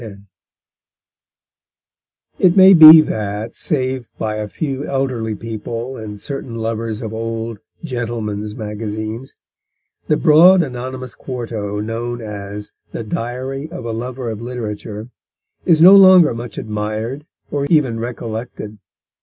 1810. It may be that, save by a few elderly people and certain lovers of old Gentleman's Magazines, the broad anonymous quarto known as The Diary of a Lover of Literature is no longer much admired or even recollected.